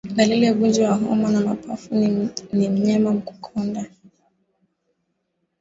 Dalili ya ugonjwa wa homa ya mapafu ni mnyama kukonda